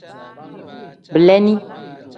Beleeni.